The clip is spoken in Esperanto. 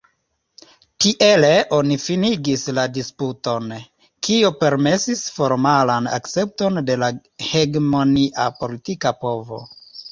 Tiele oni finigis la disputon, kio permesis formalan akcepton de la hegemonia politika povo.